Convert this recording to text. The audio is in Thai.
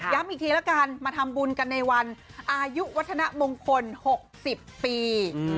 อีกทีละกันมาทำบุญกันในวันอายุวัฒนมงคล๖๐ปี